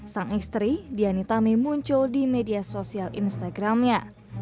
sang istri dianit tami muncul di media sosial instagramnya